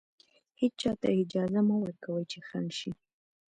هېچا ته اجازه مه ورکوئ چې خنډ شي.